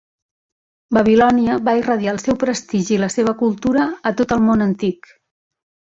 Babilònia va irradiar el seu prestigi i la seva cultura a tot el món antic.